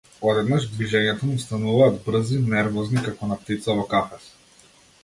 Одеднаш движењата му стануваат брзи, нервозни, како на птица во кафез.